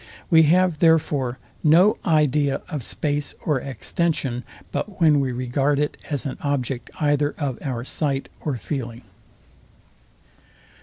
We have therefore no idea of space or extension, but when we regard it as an object either of our sight or feeling.